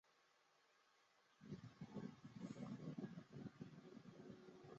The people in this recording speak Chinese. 每分钟计数测到的电离事件的计数。